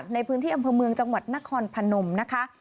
ในพื้นที่อำเภอเมืองจังหวัดนครพนมนะคะ